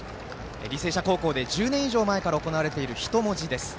履正社高校で１０年以上前から行われている人文字です。